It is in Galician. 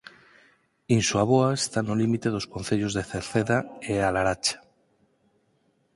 Insuaboa está no límite dos Concellos de Cerceda e A Laracha.